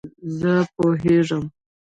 زه پوهېږم !